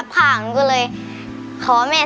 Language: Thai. ขาหนูหนีบไว้